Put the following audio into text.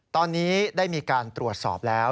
ตอนนี้ได้มีการตรวจสอบแล้ว